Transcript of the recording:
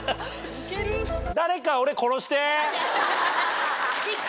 誰か俺殺して。